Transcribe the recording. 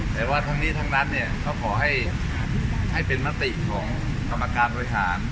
แต่ว่าทั้งนี้ทั้งนั้นขอให้เป็นมาติของต่ำการตรวยหาร